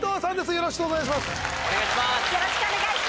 よろしくお願いします。